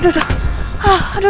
ada apa bu